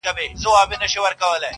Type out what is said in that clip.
که هر څو درانه بارونه چلومه٫